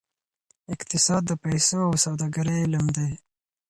اقتصاد د پیسو او سوداګرۍ علم دی.